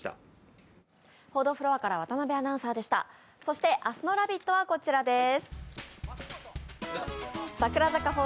そして、明日の「ラヴィット！」はこちらです。